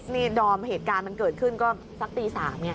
พร้อมเหตุการณ์มันเกิดขึ้นก็สักตีสามเนี่ย